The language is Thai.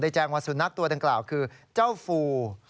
แจ้งว่าสุนัขตัวดังกล่าวคือเจ้าฟู